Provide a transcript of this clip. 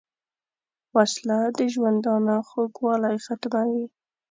وسله د ژوندانه خوږوالی ختموي